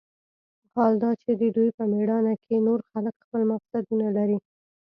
حال دا چې د دوى په مېړانه کښې نور خلق خپل مقصدونه لري.